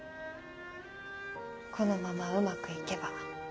このままうまく行けば。